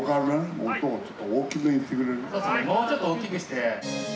もうちょっと大きくして。